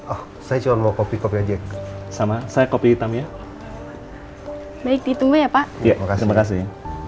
oh saya cuma mau kopi kopi aja sama saya kopi hitam ya baik dihitung ya pak ya terima kasih